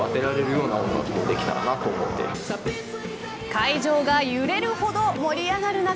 会場が揺れるほど盛り上がる中